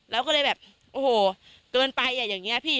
แล้วก็เลยแบบโอ้โหเกินไปอย่างนี้พี่